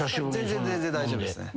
全然大丈夫ですね。